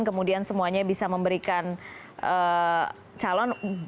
kemudian semuanya bisa memberikan calon